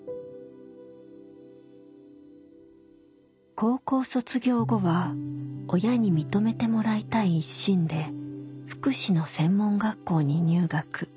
高校卒業後は親に認めてもらいたい一心で福祉の専門学校に入学。